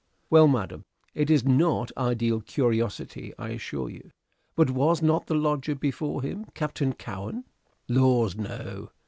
"Well, madam, it is not idle curiosity, I assure you, but was not the lodger before him Captain Cowen?" "Laws, no!